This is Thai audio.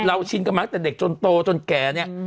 ชินกันมาตั้งแต่เด็กจนโตจนแก่เนี่ย